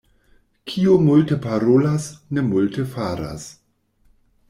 Kiu multe parolas, ne multe faras.